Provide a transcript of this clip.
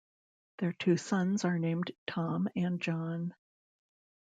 Their two sons are named Tom and John.